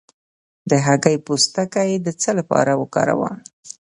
د هګۍ پوستکی د څه لپاره وکاروم؟